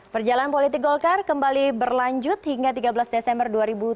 perjalanan politik golkar kembali berlanjut hingga tiga belas desember dua ribu tujuh belas